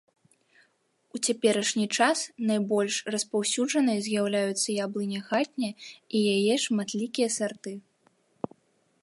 У цяперашні час найбольш распаўсюджанай з'яўляецца яблыня хатняя і яе шматлікія сарты.